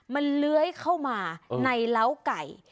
มันเลื้อยเข้ามาในเล้าไก่